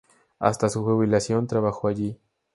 Hasta su jubilación trabajó allí.